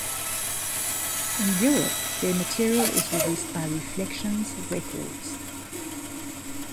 In Europe their material is released by Reflections Records.